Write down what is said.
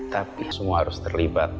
tapi semua harus terlibat